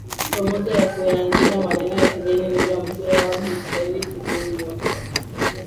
Pamoja na kuyaingiza maneno ya kigeni lugha mpya yao hii Kiswahili ilikithiri vionjo vingi